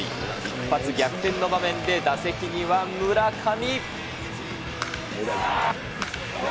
一発逆転の場面で、打席には村上。